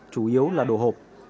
chủ yếu là đồ hộp